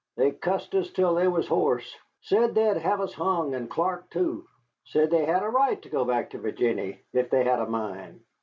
They cussed us till they was hoarse. Said they'd hev us hung, an' Clark, too. Said they hed a right to go back to Virginny if they hed a mind."